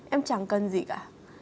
em chẳng cần gì cả